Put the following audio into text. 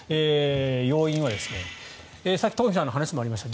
要因は、さっき東輝さんの話にもありました